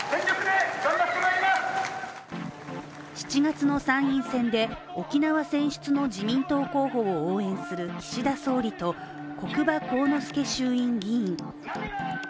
７月の参院選戦で沖縄選出の自民党候補を応援する岸田総理と國場幸之助衆院議員。